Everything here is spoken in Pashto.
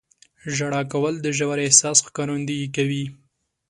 • ژړا کول د ژور احساس ښکارندویي کوي.